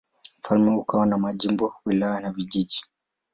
Ufalme ukawa na majimbo, wilaya na vijiji.